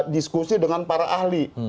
diskusi dengan para ahli